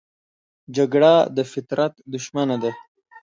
جګړه د فطرت دښمنه ده